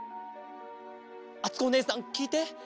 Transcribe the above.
あつこおねえさんきいて。